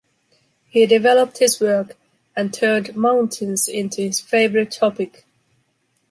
He developed his work and turned mountains into his favorite topic.